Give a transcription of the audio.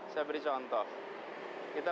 saya beri contoh kita